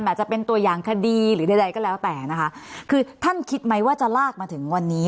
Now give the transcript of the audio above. อาจจะเป็นตัวอย่างคดีหรือใดใดก็แล้วแต่นะคะคือท่านคิดไหมว่าจะลากมาถึงวันนี้